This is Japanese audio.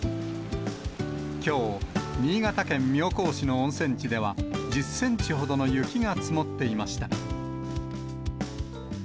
きょう、新潟県妙高市の温泉地では、１０センチほどの雪が積もっていました。